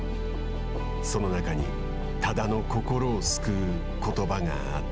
その中に多田の心を救うことばがあった。